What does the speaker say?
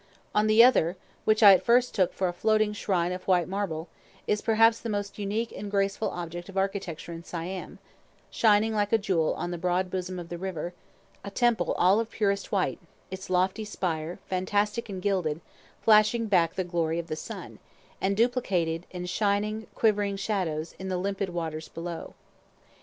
On the other, which at first I took for a floating shrine of white marble, is perhaps the most unique and graceful object of architecture in Siam; shining like a jewel on the broad bosom of the river, a temple all of purest white, its lofty spire, fantastic and gilded, flashing back the glory of the sun, and duplicated in shifting, quivering shadows in the limpid waters below.